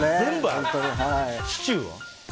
シチューは？